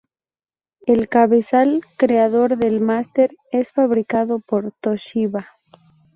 El cabezal creador del "master" es fabricado por Toshiba.